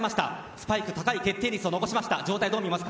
スパイク高い決定率を残しました。